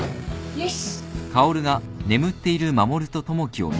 よし。